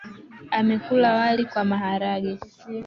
Amekula wali kwa maharagwe .